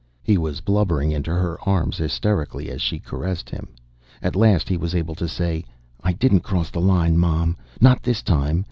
He was blubbering in her arms, hysterically, as she caressed him. At last he was able to say: "I didn't cross the line, Mom. Not this time.